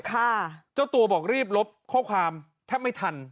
เจ้าตัวบอกรีบลบข้อความแทบไม่ทัน